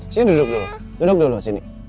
sini duduk dulu duduk dulu sini